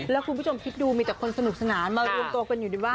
แล้วคุณผู้ชมคิดดูมีแต่คนสนุกสนานมารวมตัวกันอยู่ในบ้าน